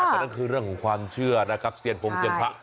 แต่นั่นคือเรื่องของความเชื่อนะครับเซียนพงเซียนพระ